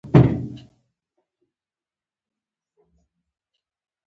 زوی مې ماته وویل چې چپلۍ یې خبرې کوي.